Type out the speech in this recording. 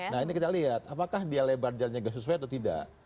nah ini kita lihat apakah dia lebar jalannya nggak sesuai atau tidak